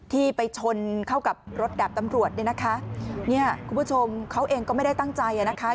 ที่ไปชนเข้ากับรถดับตำรวจเนี่ยนะคะเนี่ยคุณผู้ชมเขาเองก็ไม่ได้ตั้งใจอ่ะนะคะ